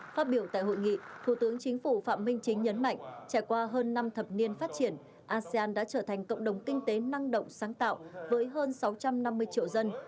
phát biểu tại hội nghị thủ tướng chính phủ phạm minh chính nhấn mạnh trải qua hơn năm thập niên phát triển asean đã trở thành cộng đồng kinh tế năng động sáng tạo với hơn sáu trăm năm mươi triệu dân